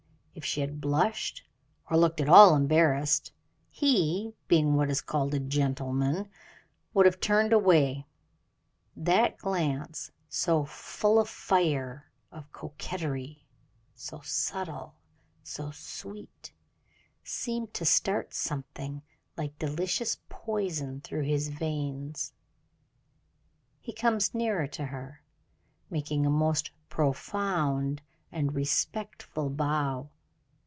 If she had blushed or looked at all embarrassed, he, being what is called a gentleman, would have turned away; that glance, so full of fire, of coquetry so subtle, so sweet seemed to start something like delicious poison through his veins. He comes nearer to her, making a most profound and respectful bow.